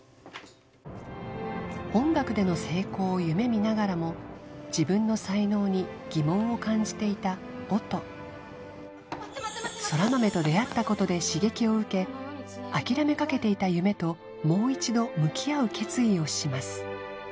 音楽での成功を夢みながらも自分の才能に疑問を感じていた音空豆と出会ったことで刺激を受け諦めかけていた夢ともう一度向き合う決意をします